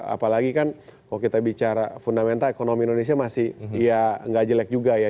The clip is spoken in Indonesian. apalagi kan kalau kita bicara fundamental ekonomi indonesia masih ya nggak jelek juga ya